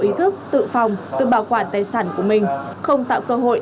ý thức tự phòng tự bảo quản tài sản của mình không tạo cơ hội